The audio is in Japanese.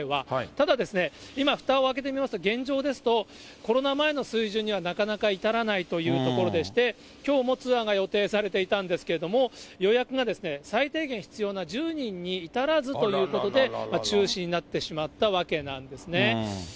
ただですね、今ふたを開けてみますと、現状ですと、コロナ前の水準にはなかなか至らないというところでして、きょうもツアーが予定されていたんですけれども、予約が最低限必要な１０人に至らずということで、中止になってしまったわけなんですね。